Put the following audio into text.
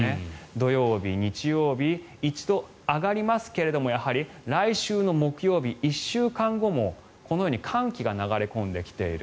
土曜日、日曜日一度上がりますけれどもやはり来週の木曜日、１週間後もこのように寒気が流れ込んできている。